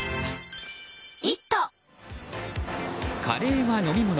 カレーは飲み物。